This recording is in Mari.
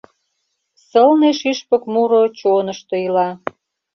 Сылне шӱшпык муро чонышто ила.